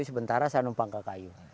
sementara saya numpang ke kayu